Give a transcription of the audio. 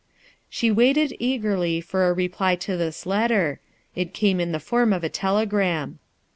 She waited eagerly for a reply to this letter; it came in the form of a telegram.